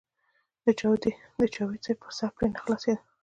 د جاوېد صېب پرې سر نۀ خلاصېدۀ -